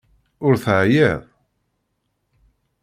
Ur teɛyiḍ?